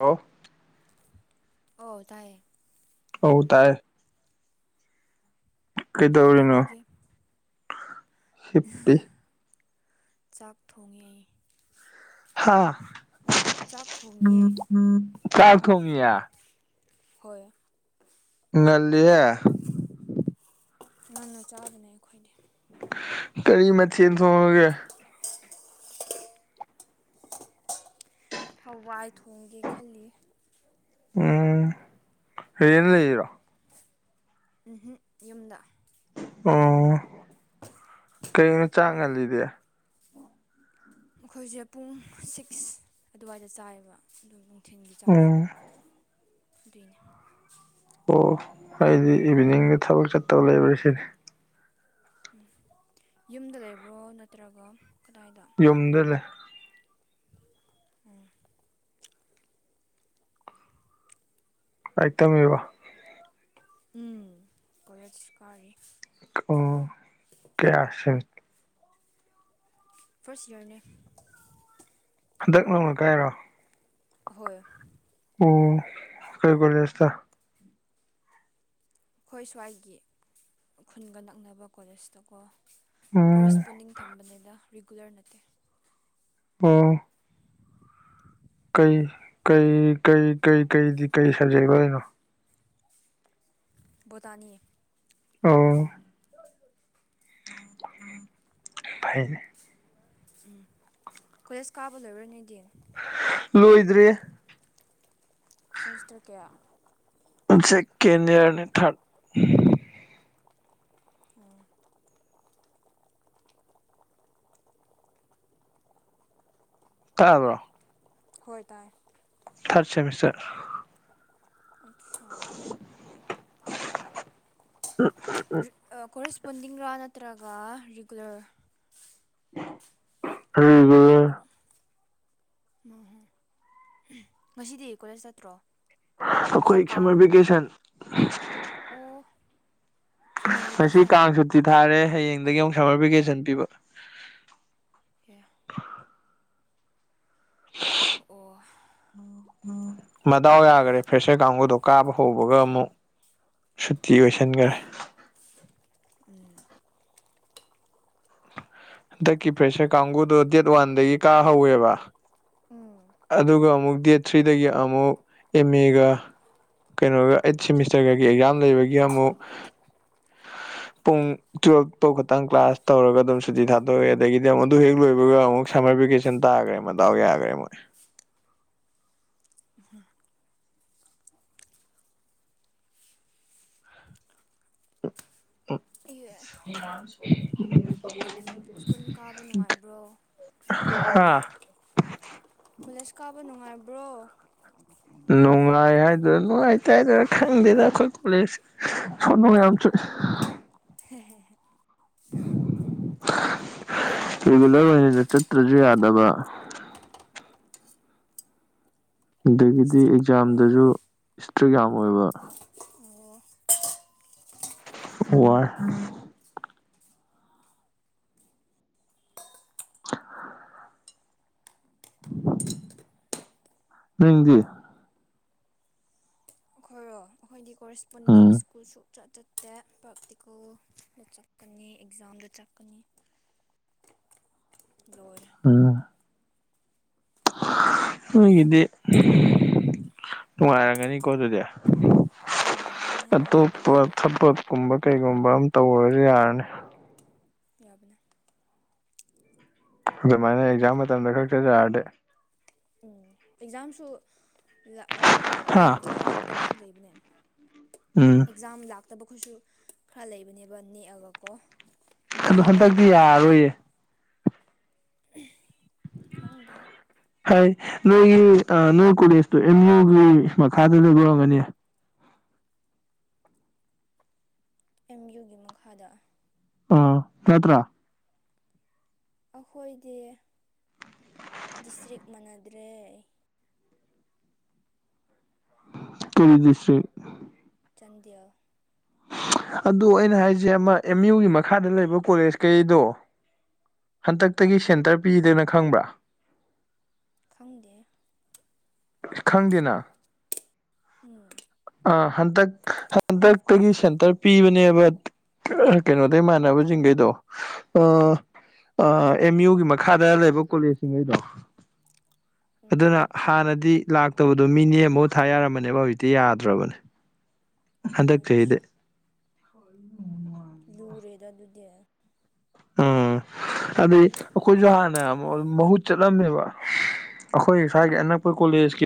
ꯑꯧ꯫ ꯑꯣ ꯇꯥꯏꯌꯦ꯫ ꯑꯧ ꯇꯥꯏꯌꯦ꯫ ꯀꯩꯗꯧꯔꯤꯅꯣ ꯀꯩꯗꯧꯔꯤꯒꯦ ꯍꯤꯞꯄꯤ [unintelligible] ꯆꯥꯛ ꯊꯣꯡꯉꯦ꯫ ꯍꯥ ꯆꯥꯛ ꯊꯣꯡꯉꯤꯌꯦ [unintelligible] ꯆꯥꯛ ꯊꯣꯡꯉꯤꯌꯦ꯫ ꯍꯣꯏ꯫ ꯉꯜꯂꯤꯌꯦ ꯉꯟꯅ ꯆꯥꯕꯅꯦ ꯑꯩꯈꯣꯏꯗꯤ ꯀꯔꯤ ꯃꯊꯦꯟ ꯊꯣꯡꯉꯒꯦ ꯍꯋꯥꯏ ꯊꯣꯡꯒꯦ ꯈꯜꯂꯤꯌꯦ ꯎꯝ ꯔꯦꯟ ꯂꯩꯔꯣ ꯎꯝꯍꯨꯝ ꯌꯨꯝꯗ ꯑꯣ ꯀꯩꯅꯣ ꯆꯥꯛ ꯉꯜꯂꯤꯗꯤ ꯑꯩꯈꯣꯏꯁꯦ ꯄꯨꯡ ꯁꯤꯛꯁ ꯑꯗꯨꯋꯥꯏꯗ ꯆꯥꯏꯑꯦꯕ ꯑꯗꯨꯅꯤ ꯊꯤꯟꯒꯤ ꯆꯥꯛꯁꯦ ꯎꯝ ꯑꯗꯨꯏꯅꯦ ꯑꯣ ꯑꯩꯗꯤ ꯏꯚꯤꯅꯤꯡꯗ ꯊꯕꯛ ꯆꯠꯇꯧ ꯂꯩꯕꯔꯥ ꯁꯤꯅꯤ ꯎꯝ ꯌꯨꯝꯗ ꯂꯩꯕ꯭ꯔꯣ ꯅꯠꯇ꯭ꯔꯒ ꯀꯗꯥꯏꯗ ꯌꯨꯝꯗ ꯂꯩ ꯎꯝ ꯂꯥꯏꯔꯤꯛ ꯇꯝꯃꯤꯕ ꯎꯝ ꯀꯣꯂꯦꯖ ꯀꯥꯔꯤ ꯑꯣ ꯀꯌꯥ ꯁꯦꯝ ꯐꯥꯔꯁ ꯏꯌꯥꯔꯅꯦ ꯍꯟꯗꯛ ꯅꯧꯅ ꯀꯥꯏꯔꯣ ꯍꯣꯏ ꯑꯣ ꯀꯩ ꯀꯣꯂꯦꯁ ꯇ ꯑꯩꯈꯣꯏ ꯁ꯭ꯋꯥꯏꯒꯤ ꯈꯨꯟꯒ ꯅꯛꯅꯕ ꯀꯣꯂꯦꯖꯇꯀꯣ ꯎꯝ ꯀꯣꯔꯦꯁꯄꯣꯟꯗꯤꯡ ꯊꯝꯕꯅꯦꯗ ꯔꯤꯒꯨꯂꯔ ꯅꯠꯇꯦ ꯑꯣ ꯀꯩ ꯀꯩ ꯀꯩ ꯀꯩ ꯀꯩꯗꯤ ꯀꯩ ꯁꯕꯖꯦꯛ ꯂꯧꯏꯅꯣ ꯕꯣꯇꯥꯅꯤ ꯑꯣ ꯐꯥꯏꯅꯦ ꯎꯝ ꯀꯣꯏꯂꯦꯁ ꯀꯥꯕ ꯂꯣꯏꯔꯣꯏ ꯅꯣꯏꯗꯤ ꯂꯣꯏꯗ꯭ꯔꯤꯌꯦ ꯁꯤꯃꯤꯁꯇꯔ ꯀꯌꯥ ꯑ ꯁꯦꯀꯦꯟ ꯌꯤꯔꯅꯦ ꯊꯥꯔ ꯎꯝ ꯇꯥꯕꯔꯣ ꯍꯣꯏ ꯇꯥꯏ ꯊꯥꯔꯠ ꯁꯦꯃꯤꯁꯇꯔ ꯑꯠꯆꯥꯥ ꯎꯝ ꯎ ꯎꯝ ꯑ ꯀꯣꯔꯦꯁꯄꯣꯟꯗꯤꯡꯔ ꯅꯠꯇ꯭ꯔꯒ ꯔꯤꯒꯨꯂꯔ ꯔꯤꯒꯨ ꯃꯧ ꯍꯨ ꯉꯁꯤꯗꯤ ꯀꯣꯂꯦꯖ ꯆꯠꯇ꯭ꯔꯣ ꯑꯣ ꯑꯩꯈꯣꯏ ꯁꯝꯃꯔ ꯀꯥꯡꯅꯦ ꯚꯦꯀꯦꯁꯟ ꯑꯣ ꯁꯝꯃꯔ ꯉꯁꯤ ꯚꯦꯀꯦꯁꯟ ꯀꯥꯡ ꯁꯨꯇꯤ ꯊꯥꯔꯦ ꯍꯌꯦꯡꯗꯒꯤ ꯑꯃꯨꯛ ꯁꯝꯃꯔ ꯚꯦꯀꯦꯁꯟ ꯄꯤꯕ ꯑꯦ [unintelligible] ꯑꯣ ꯃꯗꯥꯎ ꯌꯥꯒꯔꯦ ꯐ꯭ꯔꯦꯁꯔ ꯀꯥꯡꯒꯨꯗꯣ ꯀꯥꯕ ꯍꯧꯕꯒ ꯑꯃꯨꯛ ꯁꯨꯇꯤ ꯑꯣꯏꯁꯟꯒ꯭ꯔꯦ ꯎꯝ ꯍꯟꯗꯛꯀꯤ ꯐ꯭ꯔꯦꯁꯔ ꯀꯥꯡꯒꯨꯗꯣ ꯗꯦꯠ ꯋꯥꯟꯗꯒꯤ ꯀꯥ ꯍꯧꯋꯦꯕ ꯎꯝ ꯑꯗꯨꯒ ꯑꯃꯨꯛ ꯗꯦꯠ ꯊ꯭ꯔꯤꯗꯒꯤ ꯑꯃꯨꯛ ꯑꯦꯝ ꯑꯦꯒ ꯀꯩꯅꯣꯒ ꯑꯩꯠ ꯁꯦꯃꯤꯁꯇꯔꯒꯒꯤ ꯑꯦꯛꯖꯥꯝ ꯂꯩꯕꯒꯤ ꯑꯃꯨꯛ [inaudible] ꯄꯨꯡ ꯇꯨꯌꯦꯜꯞ ꯐꯥꯎ ꯈꯛꯇꯪ ꯀ꯭ꯂꯥꯁ ꯇꯧꯔꯒ ꯑꯗꯨꯝ ꯁꯨꯇꯤ ꯊꯥꯗꯣꯛꯑꯦ ꯑꯗꯒꯤꯗꯤ ꯑꯃꯨꯛ ꯑꯗꯨ ꯍꯦꯛ ꯂꯣꯏꯕ ꯑꯃꯨꯛ ꯁꯝꯃꯔ ꯚꯦꯟ ꯁꯤꯟ ꯇꯥꯈ꯭ꯔꯦ ꯃꯗꯥꯎ ꯌꯥꯈ꯭ꯔꯦ ꯃꯣꯏ ꯏ [unintelligible] ꯁ ꯀꯨꯟ ꯀꯥꯕ ꯅꯨꯡꯉꯥꯏꯕ꯭ꯔꯣ ꯍꯥꯥ ꯀꯣꯂꯦꯖ ꯀꯥꯕ ꯅꯨꯡꯉꯥꯏꯕ꯭ꯔꯣ ꯅꯨꯡꯉꯥꯏ ꯍꯥꯏꯗꯔ ꯅꯨꯡꯉꯥꯏꯇꯦꯗꯔꯥ ꯈꯪꯗꯦꯗ ꯑꯩꯈꯣꯏ ꯀꯣꯂꯦꯖ ꯁꯅꯣꯉꯌꯥꯝꯝꯁꯨ ꯍꯦꯟ ꯔꯤꯒꯨꯂꯔ ꯑꯣꯏꯅ ꯆꯠꯇ꯭ꯔꯁꯨ ꯌꯥꯗꯕ ꯑꯗꯒꯤꯗꯤ ꯏꯁꯇ꯭ꯔꯤꯛꯔꯣ ꯌꯥꯝꯅ ꯑꯦꯛꯖꯥꯝꯗꯁꯨ ꯏꯁꯇ꯭ꯔꯤꯛ ꯌꯥꯝ ꯑꯣꯏꯕ ꯑꯣ ꯋꯥꯔ ꯅꯪꯗꯤ ꯑꯩꯈꯣꯏꯔꯣ ꯑꯩꯈꯣꯏꯗꯤ ꯀꯣꯔꯦꯁꯄꯣꯟꯗꯤꯡ ꯎꯝ ꯁ꯭ꯀꯨꯜ ꯁꯨꯛꯆꯠ ꯆꯠ ꯇ ꯄꯔꯇꯤꯀꯗ ꯆꯥꯛꯀꯅꯤ ꯑꯦꯛꯖꯥꯝꯗ ꯆꯥꯛꯀꯅꯤ ꯂꯣꯔꯦ ꯎꯝ ꯑꯩꯈꯣꯏꯒꯤꯗꯤ ꯅꯨꯡꯉꯥꯏꯔꯒꯅꯤꯀꯣ ꯑꯗꯨꯗꯤ ꯅꯨꯡꯉꯥꯏꯕꯅꯦ ꯑꯇꯣꯞꯄ ꯅꯨꯡꯉꯥꯏꯕꯅꯦ ꯊꯕꯛꯀꯨꯝꯕ ꯀꯩꯒꯨꯝꯕ ꯑꯃꯝ ꯇꯧꯔꯁꯨ ꯌꯥꯔꯅꯤ ꯌꯥꯕꯅ ꯑꯗꯨꯃꯥꯏꯅ ꯑꯦꯛꯖꯥꯝ ꯃꯇꯝꯗ ꯈ ꯆꯠꯖꯛꯑꯗꯤ ꯎꯝ ꯑꯦꯛꯖꯥꯝꯁꯨ ꯂꯥꯛ ꯑ ꯃꯤ ꯍꯥ ꯈꯔ ꯂꯥꯛꯇꯕꯁꯨ ꯂꯩꯕꯅꯦ ꯎꯝ ꯑꯦꯛꯖꯥꯝ ꯂꯥꯛꯇꯕꯈꯩꯁꯨ ꯈꯔ ꯂꯩꯕꯅꯦꯕ ꯅꯦꯛꯑꯒꯀꯣ ꯑꯗꯣ ꯃꯤꯗ ꯍꯟꯗꯛꯇꯤ ꯊꯥꯍꯟꯕ ꯌꯥꯔꯔꯣꯏꯌꯦ ꯈꯪꯗꯦꯗ ꯍꯥꯏ ꯅꯣꯏꯒꯤ ꯅꯣꯏ ꯀꯣꯂꯦꯖꯇꯣ ꯑꯦꯝ ꯌꯨꯒꯤ ꯃꯈꯥꯗ ꯂꯣꯏꯕꯔꯝꯒꯅꯤ ꯑꯦꯝ ꯌꯨꯒꯤ ꯃꯈꯥꯗ ꯎꯝ ꯅꯠꯇ꯭ꯔꯥ ꯑꯩꯈꯣꯏꯗꯤ ꯗꯤꯁꯇ꯭ꯔꯤꯛ ꯃꯥꯟꯅꯗ꯭ꯔꯦ ꯀꯔꯤꯗꯁꯤ꯭ꯔꯤ ꯆꯟꯗꯌꯦꯜ ꯑꯗꯨ ꯑꯩꯅ ꯍꯥꯏꯁꯦ ꯑꯃ ꯑꯦꯝ ꯌꯨꯒꯤ ꯃꯈꯥꯗ ꯂꯩꯕ ꯀꯣꯂꯦꯖ ꯀꯩꯗꯣ ꯍꯟꯇꯛꯇꯒꯤ ꯁꯦꯟꯇꯔ ꯄꯤꯗꯦꯅ ꯈꯪꯕ꯭ꯔꯥ ꯈꯪꯗꯦ ꯈꯪꯗꯦꯅ ꯎꯝ ꯍꯟꯗꯛ ꯍꯟꯗꯛꯇꯒꯤ ꯁꯦꯟꯇꯔ ꯄꯤꯕꯅꯦꯕ ꯀꯩꯅꯣꯗꯩ ꯏꯃꯥꯟꯅꯕꯁꯤꯡꯈꯩꯗꯣ ꯑ ꯑ ꯑꯦꯝ ꯌꯨꯒꯤ ꯃꯈꯥꯗ ꯂꯩꯕ ꯀꯣꯂꯦꯖꯁꯤꯉꯩꯗꯣ ꯑꯗꯨꯅ ꯎꯝ ꯍꯥꯟꯅꯗꯤ ꯂꯥꯛꯇꯕꯗꯣ ꯃꯤꯅꯦꯐꯥꯎ ꯊꯥ ꯌꯥꯔꯃꯅꯦꯕ ꯍꯧꯖꯤꯛꯇꯤ ꯌꯥꯗ꯭ꯔꯕꯅꯦ ꯑꯣ ꯑꯠꯆꯥ ꯍ ꯂꯨꯔꯦꯗ ꯑꯗꯨꯗꯤ꯫ ꯎꯝ ꯑꯗꯨꯗꯩ ꯑꯩꯈꯣꯏꯁꯨ ꯍꯥꯟꯅ ꯑꯃ ꯃꯍꯨꯠ ꯆꯠꯂꯝꯃꯦꯕ꯫ ꯑꯩꯈꯣꯏ ꯁ꯭ꯋꯥꯏꯒꯤ ꯎꯝ ꯑꯅꯛꯄ ꯀꯣꯂꯦꯖꯀꯤ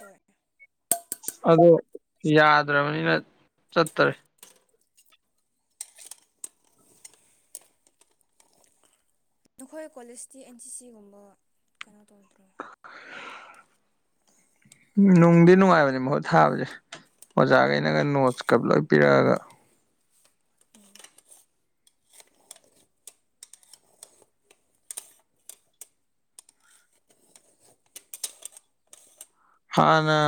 ꯍꯣꯏ ꯑꯗꯣ ꯌꯥꯗ꯭ꯔꯕꯅꯤꯅ ꯆꯠꯇꯔꯦ ꯅꯈꯣꯏ ꯀꯣꯂꯦꯖꯇꯤ ꯑꯦꯟ ꯁꯤ ꯁꯤꯒꯨꯝꯕ ꯀꯩꯅꯣ ꯇꯧꯗ꯭ꯔꯣ ꯅꯨꯡꯗꯤ ꯅꯨꯡꯉꯥꯏꯕꯅꯦ ꯃꯍꯨꯠ ꯊꯥꯒꯔꯦ ꯑꯣꯖꯥꯒꯩꯅ ꯅꯣꯠꯁꯀ ꯄꯨꯂꯞ ꯄꯤꯔꯛꯑꯒ ꯍꯥꯟꯅ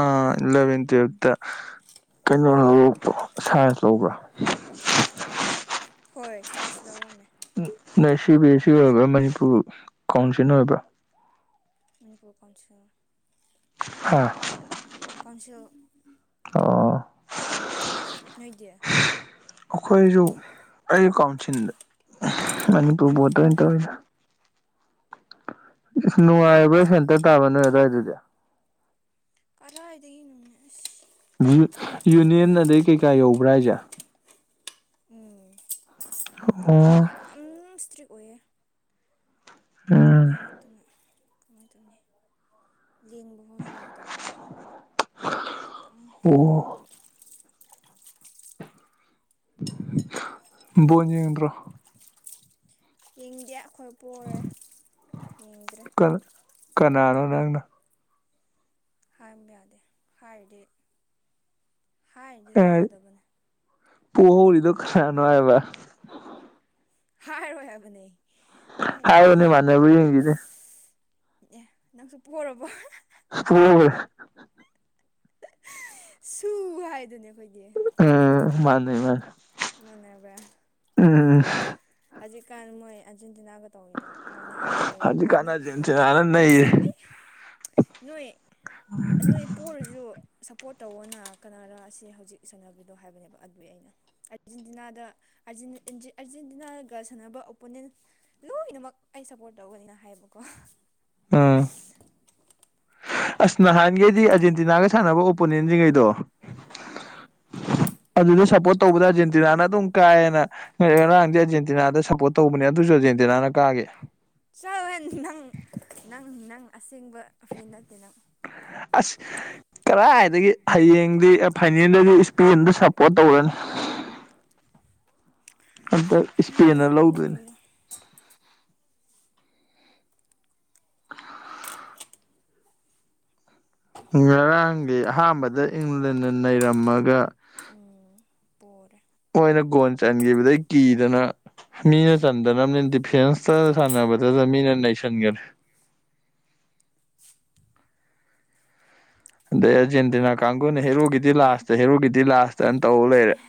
ꯑ ꯑꯦꯂꯦꯕꯦꯟ ꯇꯤꯜꯕ ꯇꯥ ꯀꯩꯅꯣ ꯑꯪ ꯁꯥꯢꯟꯁ ꯂꯧꯕꯔꯥ ꯍꯣꯏ ꯁꯥꯏꯟꯁ ꯂꯧꯔꯝꯃꯦ ꯅꯣꯏ ꯁꯤ ꯕꯦ ꯁꯤ ꯁꯤ ꯑꯣꯏꯕ꯭ꯔꯥ ꯃꯅꯤꯄꯨꯔ ꯀꯥꯎꯟꯁꯤꯜ ꯑꯣꯏꯕ꯭ꯔꯥ ꯃꯅꯤꯄꯨꯔ ꯀꯥꯎꯟꯁꯤꯜ ꯍꯥꯥ ꯀꯥꯎꯟꯁꯤꯜ ꯑꯥ [inaudible] ꯅꯣꯏꯗꯤ ꯑꯩꯈꯣꯏꯁꯨ ꯑꯩ ꯀꯥꯎꯟꯁꯤꯜꯗ ꯃꯅꯤꯄꯨꯔ ꯕꯣꯔꯠꯇ ꯑꯣꯏꯅ ꯇꯧꯔꯦꯗ ꯏꯁ ꯅꯨꯉꯥꯏꯕ꯭ꯔꯥ ꯁꯦꯟꯇꯔ ꯇꯥꯕ ꯅꯣꯏ ꯑꯗꯋꯥꯏꯗꯨꯗꯤ ꯑꯔꯏꯗꯒꯤꯅꯣꯅꯦ ꯑꯁ ꯌꯨ ꯌꯨꯅꯤꯌꯟ ꯑꯗꯩ ꯀꯩꯀꯥ ꯌꯧꯕ꯭ꯔꯥ ꯍꯥꯏꯁꯦ ꯎꯝ ꯑꯣ ꯌꯥꯝ ꯏꯁꯇ꯭ꯔꯤꯛ ꯑꯣꯏꯌꯦ ꯎꯝ ꯑꯨꯄꯥꯏ ꯂꯩꯇꯦꯅꯪ ꯀꯃꯥꯏꯅ ꯇꯧꯅꯤ ꯂꯦꯡꯕ ꯐꯥꯎꯁꯨ ꯌꯗꯕꯅꯦ ꯈꯤꯇꯪ ꯑꯣ ꯕꯣꯟ ꯌꯦꯡꯗ꯭ꯔꯣ ꯌꯦꯡꯗꯦ ꯑꯩꯈꯣꯏ ꯄꯣꯔꯦ ꯌꯦꯡꯗ꯭ꯔꯦ [inaudible] ꯀꯅꯅꯣ ꯅꯪꯅ ꯍꯥꯏꯕ ꯌꯗꯦ [unintelligible] ꯍꯥꯏꯔꯤꯗꯤ ꯑꯦ ꯌꯥꯗꯕꯅꯦ [unintelligible] [unintelligible] ꯍꯥꯏꯔꯔꯣꯏ ꯍꯥꯏꯕꯅꯦ ꯍꯥꯏꯔꯗꯤꯅꯦ ꯍꯥꯏꯕꯅꯦ ꯃꯥꯟꯅꯕ꯭ꯔꯥ ꯌꯦꯡꯁꯤꯅꯦ ꯑꯦ ꯅꯪꯁꯨ ꯄꯨꯈꯣꯔꯕꯣ [unintelligible] ꯋꯥꯏꯗꯨꯅꯦ ꯑꯩꯈꯣꯏꯒꯤ ꯎꯝ ꯃꯅꯦ ꯃꯅꯦ ꯃꯅꯕ꯭ꯔꯥ ꯎꯝ ꯑꯖꯤꯛ ꯀꯥꯟ ꯃꯣꯏ ꯑꯔꯖꯦꯟꯇꯤꯅ ꯇꯧꯋꯤꯗꯣ ꯃꯣꯏꯅ ꯍꯪꯕꯅꯦꯕꯀꯣ ꯍꯧꯖꯤꯛꯀꯥꯟ ꯑꯥꯔꯖꯦꯟꯇꯤꯅꯥꯅ ꯅꯩꯔꯦ [unintelligible] ꯅꯣꯏ ꯅꯣꯏ ꯄꯣꯔꯁꯨ ꯁꯞꯄꯣꯔꯠ ꯇꯧꯑꯣꯅ ꯀꯅꯔꯥ ꯑꯁꯤ ꯍꯧꯖꯤꯛ ꯁꯥꯟꯅꯒꯤꯗꯣ ꯍꯥꯏꯕꯅꯦꯕ ꯑꯗꯨꯏ ꯑꯩꯅ ꯑꯔꯖꯦꯟꯇꯤꯅꯥꯗ ꯑꯔꯖꯦꯟꯇꯤꯅꯥ ꯀꯥ ꯁꯥꯟꯅꯕ ꯑꯣꯄꯣꯅꯦꯟ ꯂꯣꯏꯅꯃꯛ ꯑꯩ ꯁꯞꯄꯣꯔꯠ ꯇꯧꯋꯦꯅ ꯍꯥꯏꯌꯦꯕꯀꯣ ꯎꯝ ꯑꯁ ꯅꯍꯥꯟꯒꯩꯗꯤ ꯑꯥꯔꯖꯦꯟꯇꯤꯅꯒ ꯁꯥꯟꯅꯕ ꯑꯣꯄꯣꯅꯦꯟꯁꯤꯡꯉꯩꯗꯣ ꯎꯝ ꯑꯗꯨꯗ ꯁꯞꯄꯣꯔꯠ ꯇꯧꯕꯗ ꯑꯔꯖꯦꯟꯇꯤꯅꯥꯅ ꯑꯗꯨꯝ ꯀꯥꯏꯌꯦꯅ ꯑꯩ ꯉꯔꯥꯡꯗꯤ ꯑꯔꯖꯦꯟꯇꯤꯅꯥꯗ ꯁꯞꯄꯣꯔꯠ ꯇꯧꯕꯅꯦ ꯑꯗꯨꯁꯨ ꯑꯥꯔꯖꯦꯟꯇꯤꯅꯥꯅ ꯀꯒꯤ ꯆꯠꯂꯣꯏ ꯅꯪ ꯅꯪ ꯅꯪ ꯑꯁꯦꯡꯕ ꯐꯦꯟ ꯅꯠꯇꯦ ꯅꯪ ꯑꯁ ꯀꯔꯥꯏꯗꯒꯤ ꯍꯌꯦꯡꯗꯤ ꯐꯥꯏꯅꯦꯟꯗꯗꯤ ꯁ꯭ꯄꯦꯟꯗ ꯁꯞꯄꯣꯔꯠ ꯇꯧꯔꯅꯤ ꯍꯟꯇꯛ ꯈꯪꯗꯦꯗ ꯁ꯭ꯄꯦꯟꯅ ꯂꯧꯗꯣꯏꯅꯦ ꯃꯣꯏꯒꯤꯗꯣ [inaudible] ꯉꯔꯥꯡꯒꯤ ꯑꯍꯥꯟꯕꯗ ꯏꯪꯂꯟꯅ ꯅꯩꯔꯝꯃꯒ ꯎꯝ ꯄꯣꯔꯦ ꯃꯣꯏꯅ ꯒꯣꯟ ꯆꯟꯈꯤꯕꯗꯩ ꯀꯤꯗꯅ ꯃꯤꯅ ꯆꯟꯗꯅꯕꯅꯤꯅ ꯗꯤꯐꯦꯟꯁꯇꯥꯇ ꯁꯥꯟꯅꯕꯗꯨꯗ ꯃꯤꯅ ꯅꯩꯁꯟꯈꯔꯦ ꯑꯗꯩ ꯑꯔꯖꯦꯟꯇꯤꯅꯥ ꯀꯥꯡꯒꯨꯅ ꯍꯦꯔꯣꯒꯤꯗꯤ ꯂꯥꯁꯇ ꯍꯦꯔꯣꯒꯤꯗꯤ ꯂꯥꯁ ꯇꯅꯥ ꯇꯧ ꯂꯩꯔꯦ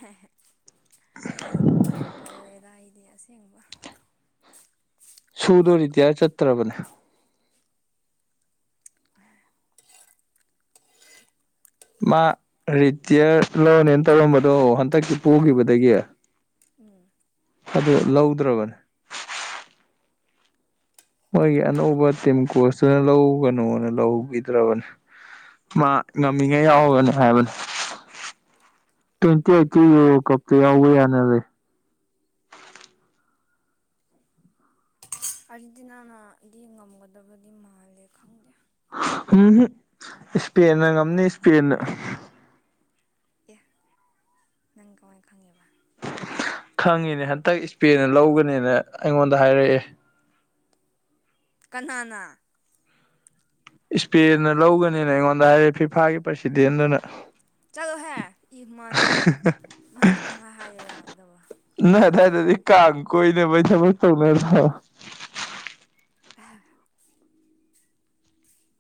ꯀꯗꯥꯏꯗꯩꯩ ꯑꯁꯦꯡꯕ ꯁꯨꯗꯣ ꯔꯤꯇꯤꯌꯥꯔ ꯆꯠꯇ꯭ꯔꯕꯅꯦ ꯃꯥ ꯔꯤꯇꯤꯌꯔ ꯂꯧꯅꯦꯅ ꯇꯧꯔꯝꯕꯗꯣ ꯍꯟꯗꯛꯀꯤ ꯄꯣꯈꯤꯕꯗꯒꯤ ꯎꯝ ꯑꯗꯨ ꯂꯧꯗ꯭ꯔꯕꯅꯦ ꯃꯣꯏꯒꯤ ꯑꯅꯧꯕ ꯇꯤꯝ ꯀꯣꯁꯇꯨꯅ ꯂꯧꯒꯅꯨꯅ ꯂꯧꯈꯤꯗ꯭ꯔꯕꯅꯦ ꯃꯥ ꯉꯝꯃꯤꯉꯩ ꯌꯥꯎꯒꯅꯤ ꯍꯥꯏꯕꯅꯦ ꯇ꯭ꯋꯦꯟꯇꯤ ꯑꯩꯠꯇꯤ ꯌꯣ ꯀꯞꯇ ꯌꯥꯎꯕ ꯌꯥꯅꯔꯦ ꯑꯔꯤꯦꯟꯇꯤꯅꯥꯅꯗꯤ ꯉꯝꯒꯗꯕꯗꯤ ꯃꯥꯜꯂꯦ ꯈꯪꯗꯦ ꯝ ꯏꯁꯄꯦꯟꯅ ꯉꯝꯅꯤ ꯏꯁꯄꯦꯟꯅ ꯑꯦ ꯅꯪ ꯀꯃꯥꯏꯅ ꯈꯪꯉꯤꯕ ꯈꯪꯉꯤꯅꯦ ꯍꯟꯇꯛ ꯏꯁꯄꯦꯟꯅ ꯂꯧꯒꯅꯦꯅ ꯑꯩꯉꯣꯟꯗ ꯍꯥꯏꯔꯛꯑꯦ ꯀꯅꯥꯅ ꯏꯁꯄꯦꯟꯅ ꯂꯧꯒꯅꯤꯅ ꯑꯩꯉꯣꯟꯗ ꯍꯥꯏꯔꯛꯑ꫰ꯐꯤꯐꯥꯒꯤ ꯄ꯭ꯔꯁꯤꯗꯦꯟꯗꯨꯅ ꯆꯠꯂꯣꯍꯦ ꯏꯃꯅ ꯃꯥꯥꯅ ꯄꯪꯍꯥꯏ ꯍꯥꯏꯔ ꯌꯥꯒꯗꯕ꯭ꯔꯥ ꯅꯣꯏ ꯑꯗꯥꯏꯗꯗꯤ ꯀꯥꯡ ꯀꯣꯏꯅꯕꯒꯤ ꯊꯕꯛ ꯇꯧꯅꯗ꯭ꯔꯣ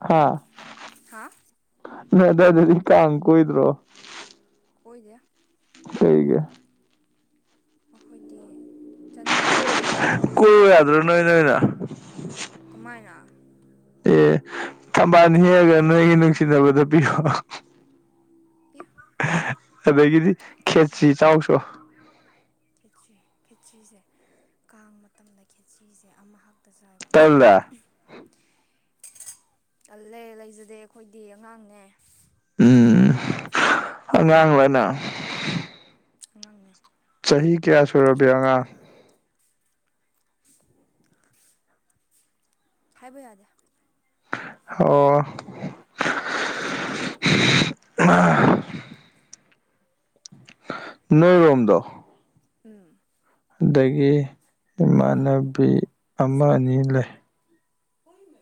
ꯍꯥꯥ ꯍꯥꯥ ꯅ ꯑꯗ꯭ꯋꯥꯏꯗꯗꯤ ꯀꯥꯡ ꯀꯣꯏꯗ꯭ꯔꯣ ꯀꯣꯏꯗꯦ ꯀꯩꯒꯤ ꯑꯩꯈꯣꯏꯗꯤ ꯆꯥꯟꯗꯦꯜꯅꯦ ꯀꯣꯏꯌꯨ ꯌꯥꯗ꯭ꯔꯣ ꯅꯣꯏꯅ ꯑꯣꯏꯅ ꯀꯃꯥꯏꯅ ꯑꯦ ꯊꯝꯕꯥꯅꯤ ꯍꯦꯛꯑꯒ ꯅꯣꯏꯒꯤ ꯅꯨꯡꯁꯤꯅꯕꯗ ꯄꯤꯌꯣ ꯑꯦ ꯑꯗꯒꯤꯗꯤ ꯈꯦꯠꯁꯤ ꯆꯥꯎꯆꯣ ꯈꯦꯆ ꯈꯦꯆ꯭ꯔꯤꯁꯦ ꯀꯥꯡꯕ ꯃꯇꯝꯗ ꯈꯦ꯭ꯔꯤꯁꯦ ꯑꯃꯍꯛ ꯈꯛꯇ ꯆꯥꯏ ꯄꯨꯟꯁꯤꯗ ꯇꯜꯂꯦ ꯇꯜꯂꯦ ꯂꯩꯖꯗꯦ ꯑꯩꯈꯣꯏꯗꯤ ꯑꯉꯥꯡꯅꯦ ꯎꯝ ꯑꯉꯥꯡꯂꯥ ꯅꯪ ꯑꯉꯥꯡꯅꯦ ꯆꯍꯤ ꯀꯌꯥ ꯁꯨꯔꯕꯤ ꯑꯉꯥꯡ ꯍꯥꯏꯕ ꯌꯥꯗꯦ ꯑꯣ ꯑ [unintelligible] ꯅꯣꯏꯔꯣꯝꯗꯣ ꯎꯝ ꯑꯗꯒꯤ ꯏꯃꯥꯟꯅꯕꯤ ꯑꯃ ꯑꯅꯤ ꯂꯩ [unintelligible]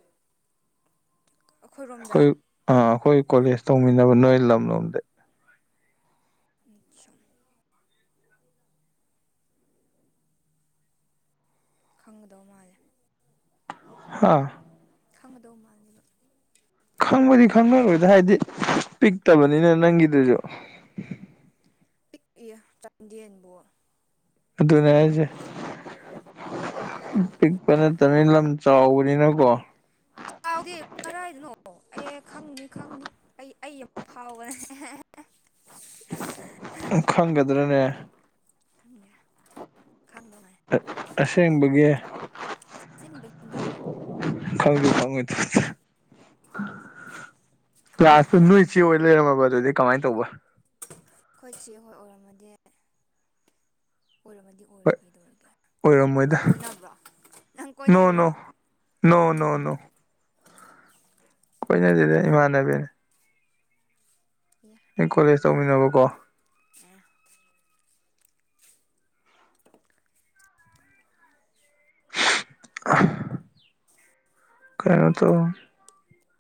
ꯑꯩꯈꯣꯏꯔꯣꯝꯗ ꯑꯩꯈꯣꯏ ꯑꯥ ꯑꯩꯈꯣꯏ ꯀꯣꯂꯦꯖ ꯇꯧꯃꯤꯟꯅꯕ ꯅꯣꯏ ꯂꯝꯂꯣꯝꯗꯩꯩ ꯅꯤꯡꯁꯡꯉꯨ ꯈꯪꯒꯗꯧ ꯃꯥꯜꯂꯦ ꯍꯥꯥ ꯈꯪꯒꯗꯧ ꯃꯥꯜꯂꯦꯕ ꯈꯪꯕꯗꯤ ꯈꯪꯅꯔꯣꯏꯗ ꯍꯥꯏꯗꯤ ꯄꯤꯛꯇꯕꯅꯤꯅ ꯅꯪꯒꯤꯗꯨꯁꯨ ꯄꯤꯛꯏ ꯆꯥꯟꯗꯦꯜꯕꯨ ꯑꯗꯨꯅꯦ ꯍꯥꯏꯖꯦ ꯄꯤꯛꯄ ꯅꯠꯇꯕꯅꯤ ꯂꯝ ꯆꯥꯎꯕꯅꯤꯅꯀꯣ ꯀꯥꯎꯗꯦ ꯀꯔꯥꯏꯗꯅꯣ ꯑꯦ ꯈꯪꯅꯤ ꯈꯪꯅꯤ ꯑꯩ ꯑꯩ ꯌꯥꯝ ꯐꯥꯎꯕꯅꯦ [unintelligible] ꯎꯪ ꯈꯪꯒꯗ꯭ꯔꯅꯦ ꯈꯪꯗꯦ ꯈꯪꯗꯧꯉꯥꯏ ꯑꯁꯦꯡꯕꯒꯤ ꯑꯁꯦꯡꯕꯒꯤꯅꯦ ꯈꯪꯖꯨ ꯈꯪꯉꯣꯏꯗꯕꯗ ꯈꯪꯗꯦ ꯂꯥꯁꯇ ꯅꯣꯏ ꯆꯦ ꯑꯣꯏ ꯂꯩꯔꯝꯃꯕ ꯑꯗꯨꯗꯤ ꯀꯃꯥꯏꯅ ꯇꯧꯕ ꯑꯩꯈꯣꯏ ꯆꯦꯍꯣꯏ ꯑꯣꯏꯔꯝꯃꯗꯤ ꯑꯣꯏꯔꯝꯃꯗꯤ ꯑꯣꯏꯔꯦ ꯍꯣꯏ ꯀꯩꯗꯧꯔꯒꯦ ꯑꯣꯏꯔꯝꯃꯣꯏꯗ ꯅꯪ ꯀꯣꯏꯅꯕ꯭ꯔꯣ ꯅꯪ ꯅꯣ ꯅꯣ ꯀꯣꯏꯅꯔꯤꯔꯣ ꯅꯣ ꯅꯣ ꯅꯣ ꯀꯣꯏꯅꯗꯦꯗ ꯏꯃꯥꯟꯅꯕꯤꯅꯦ ꯑꯦ ꯑꯩ ꯀꯣꯂꯦꯖ ꯏꯃꯥꯟꯅꯕꯤ ꯇꯧꯃꯤꯟꯅꯕꯀꯣ [unintelligible] [unintelligible] ꯀꯩꯅꯣ ꯇꯧ